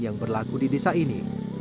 yang berlaku di desa ini